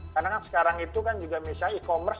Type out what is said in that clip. karena kan sekarang itu kan juga misalnya e commerce